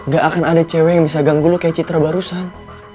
gak akan ada cewek yang bisa ganggu lu kayak citra barusan